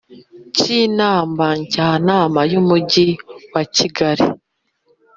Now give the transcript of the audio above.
cy Inama Njyanama y Umujyi wa Kigali